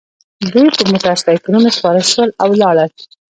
دوی په موټرسایکلونو سپاره شول او لاړل